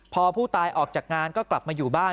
พอผู้ตายออกจากงานก็กลับมาอยู่บ้าน